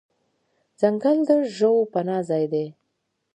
ځنګل د ژوو پناه ځای دی.